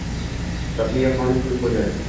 Sofiya xonim kulib qo`ydi